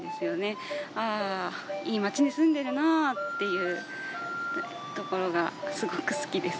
「ああいい町に住んでるなあ」っていうところがすごく好きです。